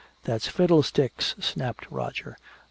"That's fiddlesticks!" snapped Roger.